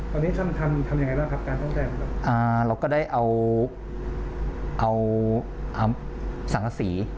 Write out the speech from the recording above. ตอนนี้ทำทำยังไงบ้างครับการซ่อมแซมอ่าเราก็ได้เอาเอาเอาสังศักดิ์สี่